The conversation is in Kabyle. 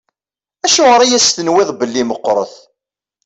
Acuɣer i as-tenwiḍ belli meqqṛet?